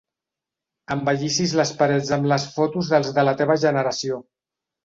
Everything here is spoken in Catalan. Embellissis les parets amb les fotos dels de la teva generació.